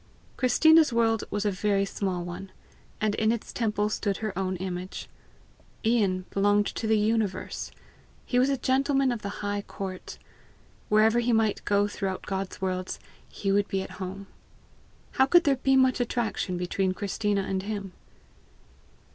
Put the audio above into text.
Christina's world was a very small one, and in its temple stood her own image. Ian belonged to the universe. He was a gentleman of the high court. Wherever he might go throughout God's worlds, he would be at home. How could there be much attraction between Christina and him?